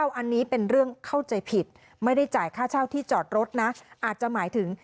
อันนี้เป็นเรื่องเข้าใจผิดไม่ได้จ่ายค่าเช่าที่จอดรถนะอาจจะหมายถึง